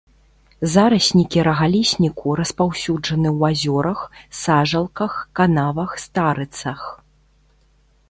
Зараснікі рагалісніку распаўсюджаны ў азёрах, сажалках, канавах, старыцах.